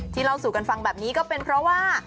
เล่าสู่กันฟังแบบนี้ก็เป็นเพราะว่า